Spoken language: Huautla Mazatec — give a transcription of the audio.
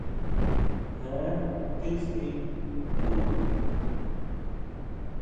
¿Jé tixí jnu?